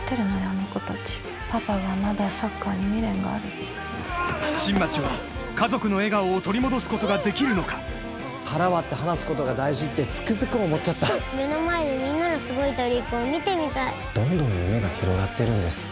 あの子達パパがまだサッカーに未練があるって新町は家族の笑顔を取り戻すことができるのか腹割って話すことが大事ってつくづく思っちゃった目の前でみんなのすごいトリックを見てみたいどんどん夢が広がってるんです